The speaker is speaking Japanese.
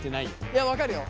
いや分かるよ。